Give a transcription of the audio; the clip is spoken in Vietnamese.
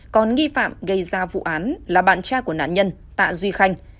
còn nghi phạm gây ra vụ án là bạn tra của nạn nhân tạ duy khanh